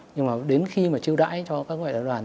nhưng mà đến khi mà chiêu đãi cho các ngoại trưởng đoàn